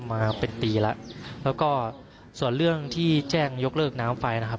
มาเป็นปีแล้วแล้วก็ส่วนเรื่องที่แจ้งยกเลิกน้ำไฟนะครับ